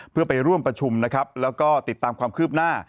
เพื่อไปร่วมประชุมนะครับแล้วก็ติดตามความคืบหน้า